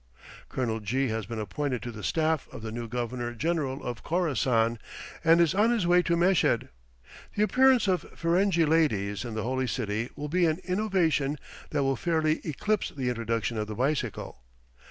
Colonel G has been appointed to the staff of the new Governor General of Khorassan, and is on his way to Meshed. The appearance of Ferenghi ladies in the Holy City will be an innovation that will fairly eclipse the introduction of the bicycle.